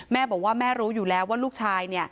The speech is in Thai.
แม่บอกว่าแม่รู้อยู่แล้วว่าลูกชาย